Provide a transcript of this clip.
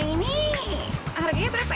yang ini harganya berapa ya